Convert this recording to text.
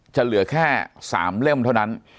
จะเหลือแค่๓เล่มเท่านั้น